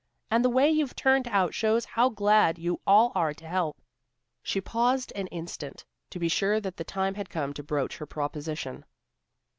And the way you've turned out shows how glad you all are to help." She paused an instant, to be sure that the time had come to broach her proposition.